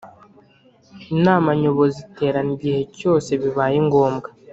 Inama Nyobozi iterana igihe cyose bibaye ngombwa